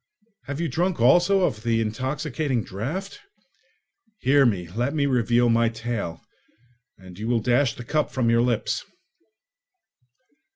Have you drunk also of the intoxicating draught? Hear me; let me reveal my tale, and you will dash the cup from your lips!"